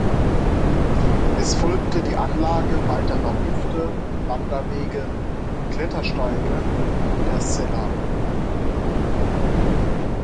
Es folgte die Anlage weiterer Lifte, Wanderwege und Klettersteige in der Sella.